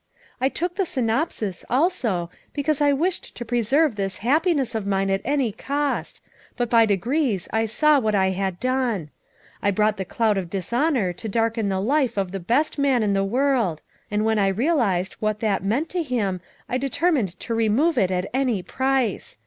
" I took the synopsis, also, because I wished to pre serve this happiness of mine at any cost, but by degrees I saw what I had done. I brought the cloud of dishonor to darken the life of the best man in the world, and when I realized what that meant to him I determined to remove it at any price.